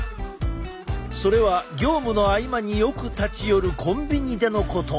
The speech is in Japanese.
それは業務の合間によく立ち寄るコンビ二でのこと。